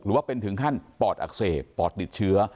ว่าเป็นถึงขั้นปอดอักเสบปอดติดเชื้อ